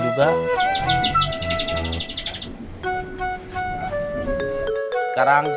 kita gak bisa berjalan